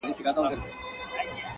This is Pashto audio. هغه سړی کلونه پس دی، راوتلی ښار ته.